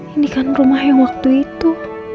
ini kan rumah yang waktu itu